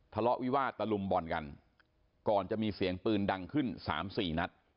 ทะเลาะวิวาสตะลุมบ่อนกันก่อนจะมีเสียงปืนดังขึ้น๓๔นัด